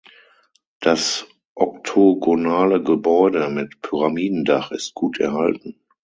Das oktogonale Gebäude mit Pyramidendach ist gut erhalten.